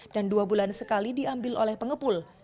dan dua bulan sekali diambil oleh pengepul